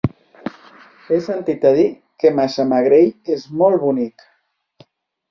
He sentit a dir que Massamagrell és molt bonic.